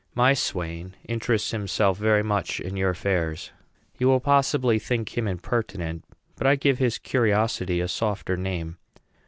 My swain interests himself very much in your affairs. You will possibly think him impertinent; but I give his curiosity a softer name.